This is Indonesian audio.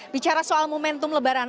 bicara soal momentum lebaran